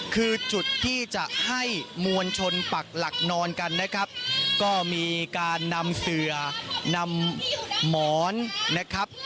คือจุดที่จะให้มวลชนปักหลักนอนกันนะครับก็มีการนำเสือนำหมอนนะครับ